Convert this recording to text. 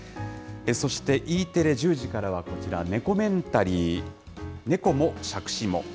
そして、Ｅテレ１０時からはこちら、ネコメンタリー猫も、杓子も。